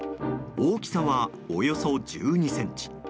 大きさは、およそ１２ｃｍ。